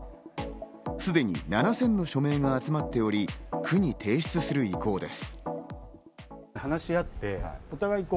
すでに７０００の署名が集まっており、区に提出する意向です。